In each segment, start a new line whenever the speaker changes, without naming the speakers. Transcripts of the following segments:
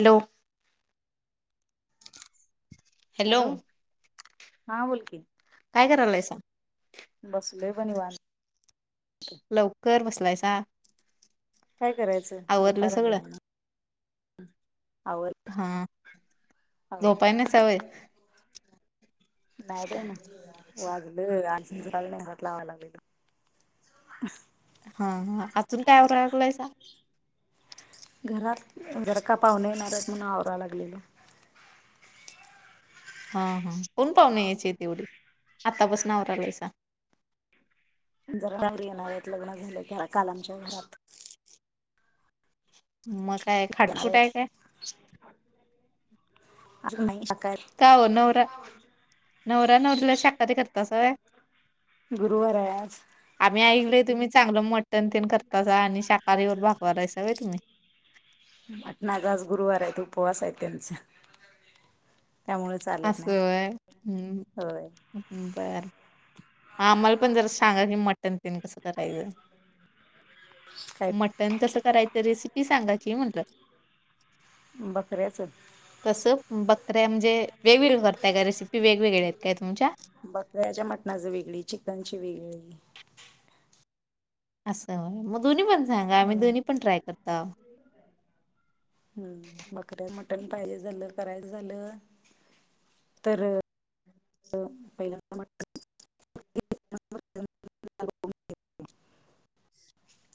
Hello
hello हा बोलकी,
काय करायलायसा?
बसलोय बघ निवांत.
लवकर बसलायसा.
काय करायचं
आवरलं
दुपार
सगळं
आल्या म्हणून, आवर
हा
आवरण
झोपाय नायसा व्हय.
नाय बाईना वाजलं [inaudible] लागलोय. [unintelligible]
हा हा अजून काय आवराय लागलायसा?
घरात जरा का पाहुणे येणारायत म्हणून आवराय लागलेलो.
हा हा कोण पाहुणे यायचेत एवढी आत्तापासंन आवरायलायसा.
जरा आवरुया ना ह्यात लग्न झालं काल आमच्या घरात.
मग काय खाटखुंट हाय काय?
असं नाही. सकाळ
काय ओ नवरा नवरा नवरीला शाकाहारी करतासा व्हय
गुरुवार हाय आज
आम्ही ऐकलय तुम्ही चांगलं मटण तेन करतासा आणि शाकाहारी वर भागवा लायसा होय तुम्ही
माझा आज गुरुवार हाय उपवास हाय त्यांत
असं होय
होय
हम बर म आम्हाला पण जरा सांगा कि मटन तेन कसं करायचं.
काय
मटन मटण कसं करायचं रेसिपी सांगा की म्हटलं
बकऱ्याच
कसं बकऱ्या म्हणजे वेगवेगळ्या करताय का रेसिपी वेगवेगळ्या आहेत काय तुमच्या
बकऱ्याच्या मटणाच वेगळी चिकनची वेगळी
अस आस व्हय म दोन्ही पण सांगा मी
म्हणून
दोन्ही पण ट्राय करताव.
हम्म बकऱ्या मटण पाहिजे झालं करायच झालं तर पहिल्यांदा मटन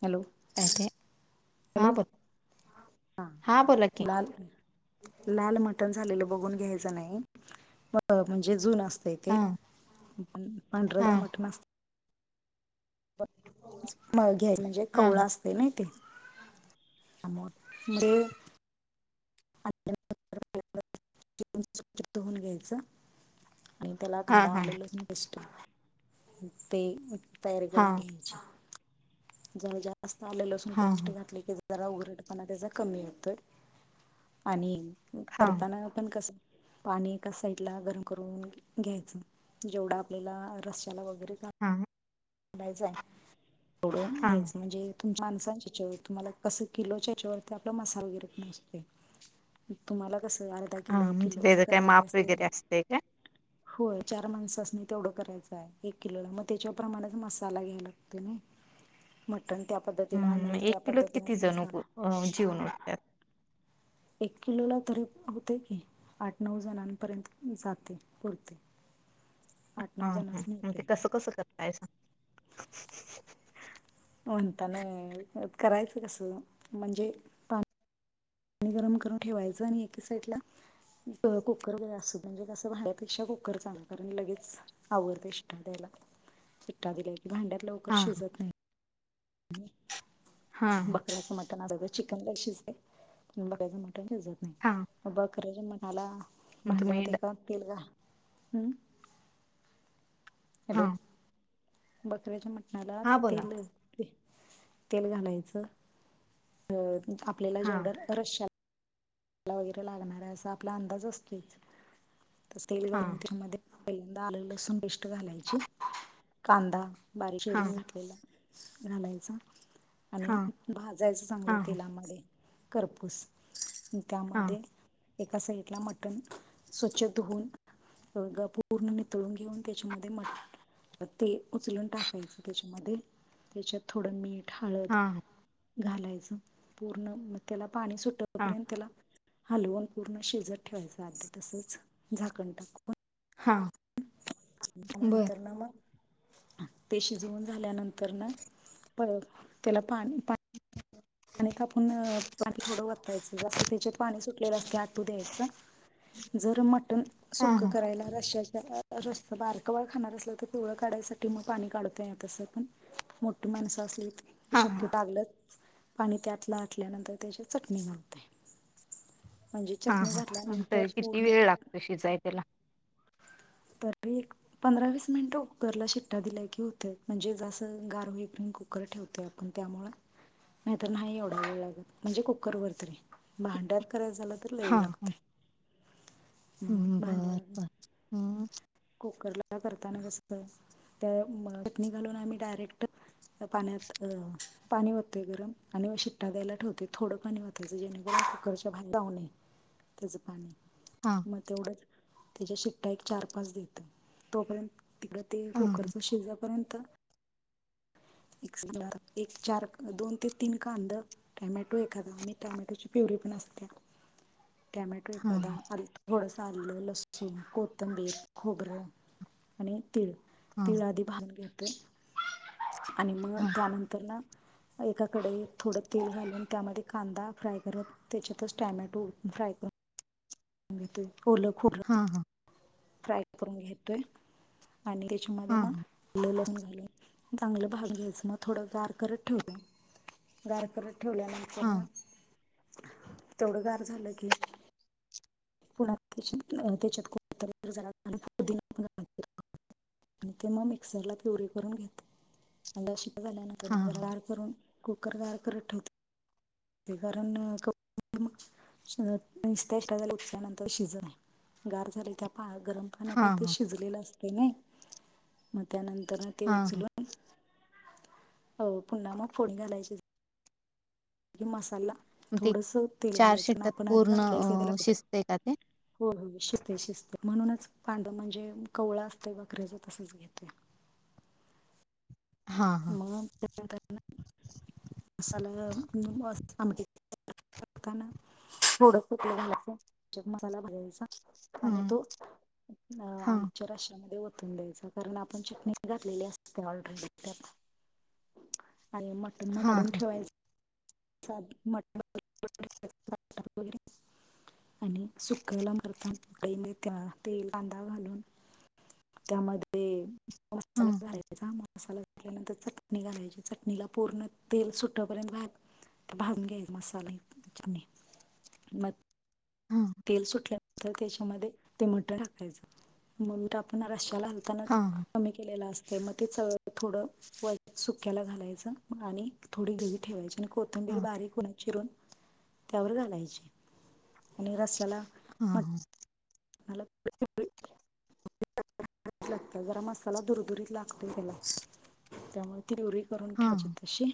हॅलो
काय काय हा बोला
हा
बोला की
लाल लाल म मटन झालेलं बघून घ्यायचं नाही म्हणजे जुनं असतय. असतय
हा
ते पण पांढर जर
हा
मटण असल मांगी हाय म्हणजे
हा
कवळ असतय नई ते लय आणल्या नंतर ते स्वच्छ धुऊन घ्यायच. आणि त्याला
हा
कांदा
हा हा
आल लसूण पेष्ट तेल तयारी करून
हा
घ्यायची जरा जास्त आल लसूण
हा
पेस्ट घातली की [inaudible] जरा उघरटपणा त्याचा कमी येतोय आणि
हा
करताना पण कस पाणी एका साइडला गरम करून घ्यायचं. जेवढा आपल्याला रश्याला वगैरे लागतय
हा हा
करायचं हाय तेवढं
हा
घ्यायचं म्हणजे माणसांच्या याच्यावर तुम्हाला कस किलो त्याच्यावरती आपला मसाल वगैरे पण असतय तुम्हाला कसं आरड
हा म्हणजे त्याचं काय माप वगैरे असतय काय
होय चार माणसासनी तेवढं करायचं हाय एक किलोला म त्याच्या प्रमाण मसाला घ्यायला लागतोय नय मटण त्या पद्धतीने आनल त्या पद्धतीनेच मसाला
अ जीवून उठत्यात.
एक किलोला तरी होतय की आठ नऊ जणांपर्यंत जातय पुरतय.
हा हा म ते कसं कसं करतायसा
म्हणताना त्यात करायचं कसं म्हणजे पाणी गरम करून ठेवायचं आणि एकी साइटला कुकर मधे अस म्हणजे कसं भांड्या पेक्षा कुकर चागलं कारण लगेच आवरतय शिटा द्यायला.
[inaudible]
शिट्या दिल्या की भांड्यात लवकर
हा
शिजत नाही.
हा
बकऱ्याच मटन अगोदर चिकन काय शिजतंय बकऱ्याच मटण शिजत नाही.
का
बकऱ्याच्या म्हणाला भांड्यात एका तेल घाल हम्म.
हा
हॅलो बकऱ्याच्या मटणाला
हा बोला
तेल ते तेल घालायचं अ आपल्याला
हा
जेवढं रशा ला वगैरे आहे लागणार असा आपला अंदाज असतोयच तस तेल
हा
घालून त्याच्यामध्ये पहिल्यांदा आलं लसूण पेस्ट घालायची, कांदा बारीक
हा
चिरून घातलेला घालायचा आणि
हा
भाजायचं चांगलं
हा
तेलामध्ये, करपूस
हा
त्यामध्ये, एका साइडला मटण स्वच्छ धुऊन तर गं पूर्ण नितळून घेऊन त्याच्यामध्ये मट ते उचलून टाकायचं त्याच्यामध्ये त्याच्यात थोडं मी ठ हळद
हा
घालायचं, पूर्ण म त्याला पाणी
हा
सुटपर्यंत त्याला हलवुण पूर्ण शिजत ठेवायच आधी तसच झाकण टाकून.
हा. बरं.
नंतर ना मग, ते शिजवून झाल्यानंतर न परत त्याला पाणी पा पाणी तापून पाणी थोडं वतायचं जसं त्याच्यात पाणी सुटलेलं असतय आटू द्यायचं. जर मटण
हां,
सुखं
हां.
करायला रश्याच्या रस्सं बारकं बाळ खाणार असलं तर पिवळ काढायसाठी मग पाणी काढतोय तसं पण. मोठी माणसं असली की हे
हां, हां.
शक्य टागलं पाणी त्यातला आटल्यानंतर त्याच्यात चटणी घालतय. म्हणजे चटणी घातल्यानंतर पूर्ण
ते शिजाय त्याला
तर एक पंधरा वीस मिनिटं कुकरला शिट्टया दिल्या की होतय, म्हणजे जसं गार होई पर्यंत कु कर ठेवतोय आपण त्यामुळं नाहीतर नाही एवढा वेळ लागत, म्हणजे कुकरवर तरी भांड्यात करायच झालं तर लई वेळ लागतय.
हम्म बर बर हम्म.
कुकरला करताना कसं तर, त्यात चटणी घालून आम्ही डायरेक्ट त्या पाण्यात अ पाणी होतय गरम आणि व शिट्टा द्यायला ठेवतोय थोडं पाणी ओ त्याचा जेणेकर कुकरच्या भात दावणे, त्याचं पाणी.
हा.
म तेवढं, त्याच्या शिट्टा एक चार पाच दे तोपर्यंत, तिकडं ते
हां,
कुकरचं शिजेपर्यंत एक [unintelligible] एक चार, दोन ते तीन कांदं टॅमॅटो एखादा आम्ही टॅमॅटोची प्युरी पण असत्या टॅमॅटो एखादा
हां,
आलतं थोडंस आलं, लसूण, कोथंबीर, खोबरं आणि तीळ,
हां,
तीळ आधी भाजून घेतोय. आणि मग
हां,
त्यानंतरनं एका कडईत थोडं तेल घालून, त्यामध्ये कांदा फ्राय करत त्याच्यातच टॅमॅटो फ्राय करून आम्ही ते ओलं खोबरं
हा हा.
फ्राय करून घेतोय, आणि त्याच्या मध्ये
हां,
मग आल लसुन घालून, चांगलं भाजुन घ्यायचं मग थोडं गार करत ठेवतय. गार करत ठेवल्यानंतर ना
हां,
तेवढं गार झालं की [unintelligible] आणि ते मग मिक्सरला प्युरी करून घेतय, आणि शीट्ट्या प झाल्या नाऽ
हां, हां, हां,
नंतर गार करून, कुकर गार करत ठेवतय. ते कारण कप मग नुसता झाला [unintelligible] उपल्यानंतर शिजत नाही, गार झालय त्या पाळ गरमऽ पण आता
हां,
ते
हां,
शिजलेलं असतय नाई, मग त्यानंतरना ते
हां.
उचलूनऽ हो, पुन्हा मग फोडणी घालायची. क मसाला,
मग ते
थोडसं तेल घालायचं, कारण
शिट्ट्यात
आपण आधी
पूर्ण
घातलेल का त्याला
अ,
कुठं
शिजते का ते?
हो हो शिजतय शिजतय, म्हणूनच पांदा म्हणजे कवळं असतय बकऱ्याच तसंच घेते.
हां, हां,
मग त्यानंतर
[inaudible]
मसाला [unintelligible] म्हणताना, थोडं तेल घालायचं [unintelligible] आणि
हां,
तो, अ
हां,
आमच्या रस्यामध्ये ओत वतून द्यायचं, कारण आपण चटणी घातलेली असते ऑलरेडी त्यात, आणि मटण मग
हां,
काढून ठेवायचं [unintelligible] आणि सुक्याला करतान कडइमध्ये तेल, कांदा घालून त्यामध्ये, मसाला
हां,
घालाय मसाला घालायचा, मसाला घातल्यानंतर चटणी घालायची, चटणीला पूर्ण तेल सुटंपर्यंत भाजाय ते भाजून घ्यायच मसाला चटणी, मग
हं.
तेल सुटल्यानंतर त्याच्यामध्ये, ते मटण टाकायचं, मग मीठ आपण रश्याला ता
हां,
कमी केलेलं असतय, मग तेच सगळं थोडं सुकयाला घालायचं, आणि थोडी गिरवी ठेवायची कोथिंबीर
हां,
बारीक पुना चिरून, त्यावर घालायची, आणि रसाला
हा हा.
[unintelligible] लाग, जरा मसाला दुरदुरीत लागतोय त्यालाच, त्यामुळं पिप्युरी करून
हां,
ठेवायची तशी,,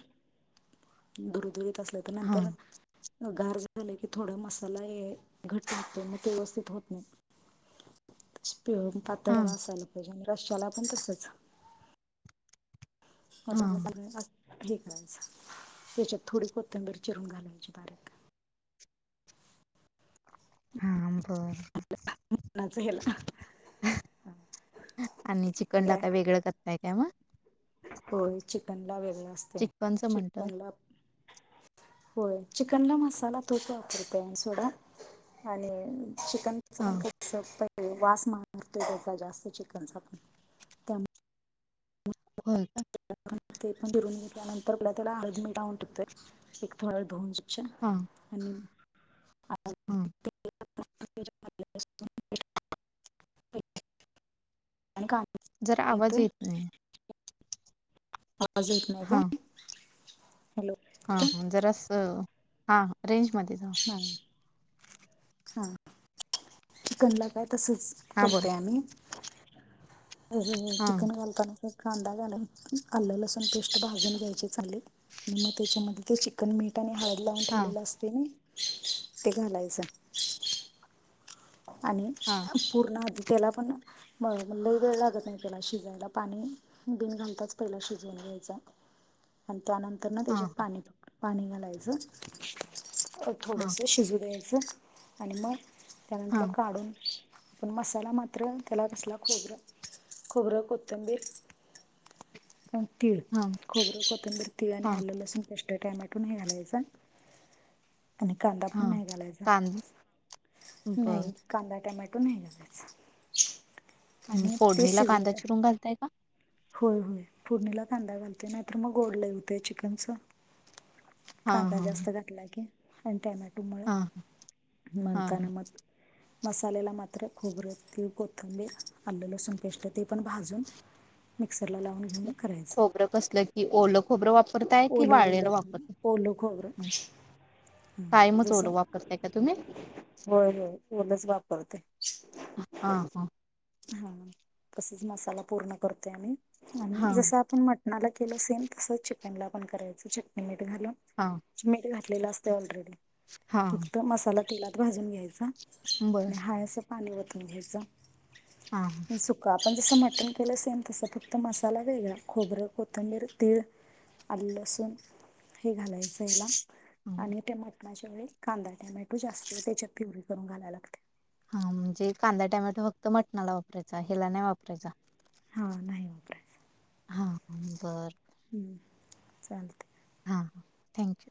दुरदुरीत असाल तर
हां, हां,
नंतरन गार झालं की थोडा मसाला हे, घट होतोय मग व्यवस्थित होत नाही. पिळून पातळ जरा
हां,
असायला पाहिजे, आणि रश्याला पण तसंच. [unintelligible]
हां,
ठी करायचं,,, त्याच्यात थोडी कोथंबीर चिरून घालायची बारीक.
हा बर.
नाच ह्याला
हं,, आणि चिकनला काय वेगळं करताय काय मग?
होय चिकन ला वेगळं असतय,,
चिकनचं म्हटलं.
चिकनला होय, चिकनला मसाला तोच वापरतोय सोडा. आणि चिकन
हां,
[unintelligible] वास मारतय जास्त चिकनचा त्यामुळे
होय का?
ते पण धूवून घेतल्या नंतर परत तेला हळद, मिठ लावून ठेवतोय, धुवून स्वच्छ
हां.
आणि
हां.
[unintelligible] [unintelligible]
जरा आवाज
घेतोय
येत नाही.
आवाज येत नाही काय हॅलो.
हा
नाही
हा जरा अस हा रेंजमध्ये जावा.
हा. [unintelligible] चिकनला काय तसंच
हां, बोल.
करतोय आम्ही
हां,
चिकन घालताना कांदा घाला आल्लं लसूण पेस्ट भाजून घ्यायची चांगली आणि मग त्याच्यामध्ये ते चिकन चिकन मीठ आणि हळद लावून
हां,
ठेवलेलं असतयं म ते घालायचं. आणि
हा.
पूर्ण आधी त्याला पण म मग वेळ लागत नाही त्याला शिजऊन पाणी बिन घालताच पहिला शिजवून घ्यायचं आणि त्यानंतर न
हां,
त्याच्यात पाणी पाणी घालायचं.
हां,
थोडंसं शिजू द्यायचं आणि मग त्यातलं
हां,
काढून आपण मसाला मात्र त्याला कसला खोबरं खोबरं कोथंबीर- तीळ
हां,
खोबरं कोथिंबीर तीळ आणि
हां,
आलं लसूण पेष्ट टॅमॅटो नाही घालायचा. आणि कांदा पण
हां.
नाही घालायचा
कांद बरं
नाही. कांदा टोमॅटो नाही घालायचा आणि ते
फोडणीला कांदा
शिजवून
चिरून घालताय का.
होय होय फोडणीला कांदा घालते नाहीतर मग गोड लयं हुतंय चिकनचं.
हां,
कांदा
हां,
जास्त घातला की आणि टोमॅटोमुळं
हां, हां,
म्हणतान मग
[inaudible]
मसाल्याला मात्र खोबरं तीळ कोथंबीर आलं लसूण पेस्ट ते पण भाजून. मिक्सर लावून घेऊन करायचं.
खोबर कसलं की ओलं खोबरं वापरताय कि
ओलं ओलं
वाळलेलं वापरत.
खोबरं ओलं खोबरं हं,
कायमच ओल
जसं
वापरताय का तुम्ही?
होय होय ओलंच वापरते
हा हा.
हा तसंच मसाला पूर्ण करतोय आणि
हां,
जसं आपण म्हट- मला केलं सेम तसंच चिकनलापण करायचं चटणी मीठ घालून
हा.
मीठ घातलेलं असतयं ऑलरेडी
हां.
फक्त मसाला तेलात भाजून घ्यायचा.
बरं.
हाय असं पाणी वतून घ्यायचं.
हां हा.
सुका आपण जसं मटन केलं सेम तसं फक्त मसाला वेगळा खोबरं कोथंबीर तीळ आलं लसूण हे घालायचं तेला
हां,
आणि त्या मटणाच्या वेळी कांदा टोमॅटो जास्त त्याच्यात प्युरी करून घालायला लागतयं.
हा म्हणजे कांदा टॅमॅटो फक्त मटणाला वापरायचा हेला नाही वापरायचा.
हां नाही वापरायचा.
हा बरं.
हम्म चालतयं.
हां हां थँक्यू.